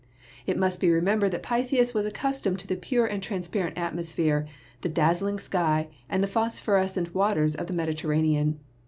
It must be remembered that Pytheas was accustomed to the pure and transparent atmosphere, the dazzling sky and the phosphorescent waters of the Medi terranean.